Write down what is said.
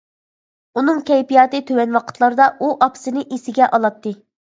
ئۇنىڭ كەيپىياتى تۆۋەن ۋاقىتلاردا، ئۇ ئاپىسىنى ئېسىگە ئالاتتى.